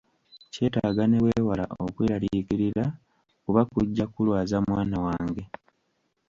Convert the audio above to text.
Kyetaaga ne weewala okweraliikirira kuba kujja kulwaza mwana wange.